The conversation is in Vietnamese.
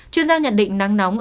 chuyên gia nhận định nắng nóng